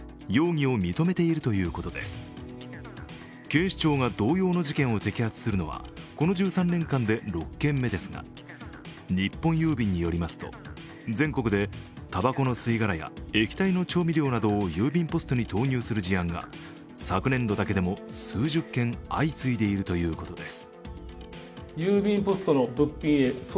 警視庁が同様の事件を摘発するのはこの１３年間で６件目ですが日本郵便によりますと全国でたばこの吸い殻や液体の調味料などを郵便ポストに投入する事案が昨年度だけでも数十件相次いでいるということです。